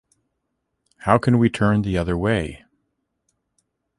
How can we turn the other way?